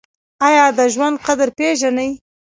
ایا د ژوند قدر پیژنئ؟